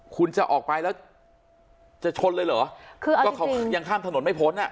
คุณจะออกไปแล้วจะชนเลยเหรอคืออะไรก็เขายังข้ามถนนไม่พ้นอ่ะ